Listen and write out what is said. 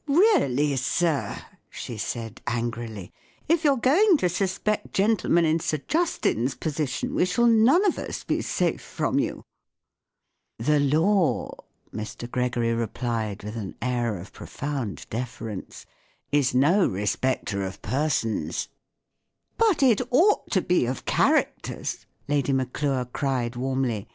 " Really, sir," she said, angrily, " if you're going to suspect gentle¬ men in Sir Justin's position, we shall none of us be safe from you. ''a I from " The erar mW* with an THE GREAT RUBY ROBBERY. 383 air of profound deference, " is no respecter of persons." " But it ought to be of characters," Lady Maclure cried, warmly.